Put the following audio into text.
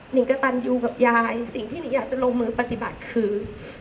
งกระตันยูกับยายสิ่งที่นิงอยากจะลงมือปฏิบัติคือ